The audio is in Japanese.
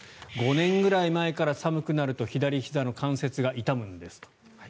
５年ぐらい前から寒くなると左ひざの関節が痛むんですと。